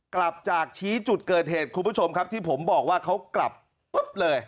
กลับจากชี้จุดเกิดเหตุคุณผู้ชมครับที่ผมบอกว่าเขากลับปุ๊บเลย